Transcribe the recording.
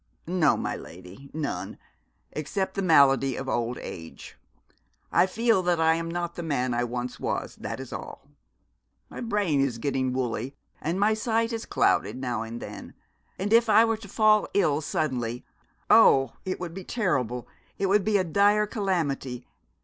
'No, my lady, none except the malady of old age. I feel that I am not the man I once was, that is all. My brain is getting woolly, and my sight is clouded now and then. And if I were to fall ill suddenly ' 'Oh, it would be terrible, it would be a dire calamity!